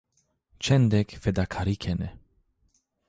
Çendêk fedakarî kenê